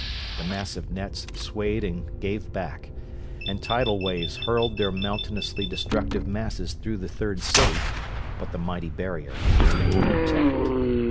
The massive nets swayed and gave back, and tidal waves hurled their mountainously destructive masses through the Third City, but the mighty barrier remained intact.